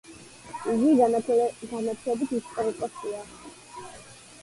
იგი განათლებით ისტორიკოსია.